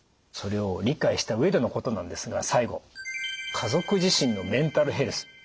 それを理解した上でのことなんですが最後「家族自身のメンタルヘルス」